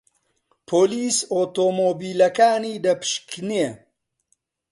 پۆلیس ئۆتۆمۆبیلەکانی دەپشکنی.